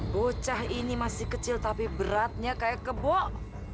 bocah ini masih kecil tapi beratnya kayak kebok